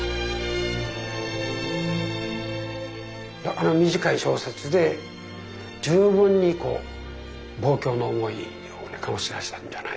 あの短い小節で十分に望郷の思いを醸し出したんじゃないでしょうかね。